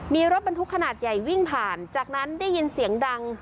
มีรถบรรทุกขนาดใหญ่วิ่งผ่านจากนั้นได้ยินเสียงดัง